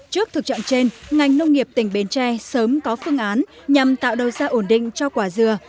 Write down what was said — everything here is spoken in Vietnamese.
trước thực trạng trên ngành nông nghiệp tỉnh bến tre sớm có phương án nhằm tạo đầu ra ổn định cho quả dừa